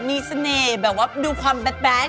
มีเสน่ห์แบบว่าดูความแบน